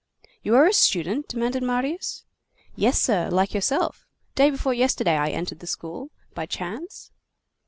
"You are a student?" demanded Marius. "Yes, sir. Like yourself. Day before yesterday, I entered the school, by chance.